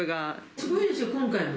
すごいですよ、今回も。